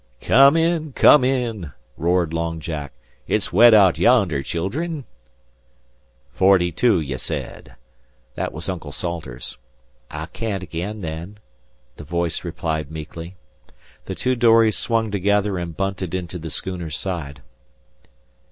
"Come in come in!" roared Long Jack. "It's wet out yondher, children." "Forty two, ye said." This was Uncle Salters. "I'll count again, then," the voice replied meekly. The two dories swung together and bunted into the schooner's side.